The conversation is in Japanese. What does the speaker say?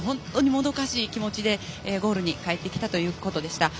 もどかしい気持ちでゴールに帰ってきたということでした。